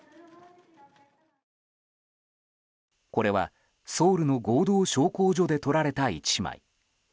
これはソウルの合同焼香所で撮られた１枚。